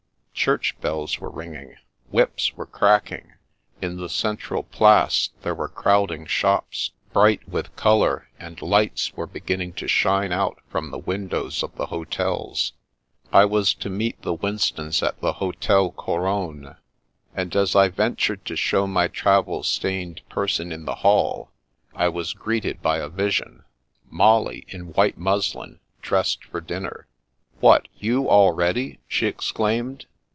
Church bells were ringing, whips were cracking; in the central place there were crowding shops, bright with colour, and lights were beginning to shine out from the windows of the hotels. I was to meet the Winstons at the Hotel Cou ronne; and as I ventured to show my travel stained person in the hall, I was greeted by a vision : Molly in white muslin, dressed for dinner. " What, you already !" she exclaimed.